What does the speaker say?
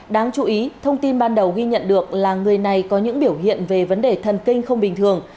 đáng chú ý thông tin ban đầu ghi nhận được là người này có những biểu hiện về vấn đề thần kinh không bình thường